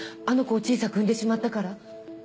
あの子を小さく生んでしまったから。